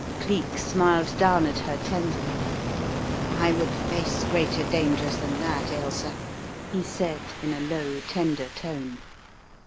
Cleek smiled down at her tenderly. "I would face greater dangers than that, Ailsa," he said in a low, tender tone.